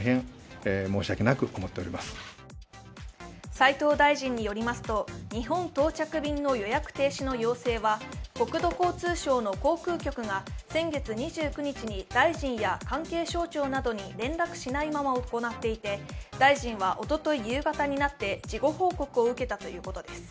斉藤大臣によりますと日本到着便の予約停止の要請は国土交通省の航空局が先月２９日に大臣や関係省庁などに連絡しないまま行っていて大臣はおととい夕方になって、事後報告を受けたということです。